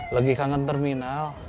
lagi kangen terminal